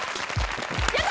やった！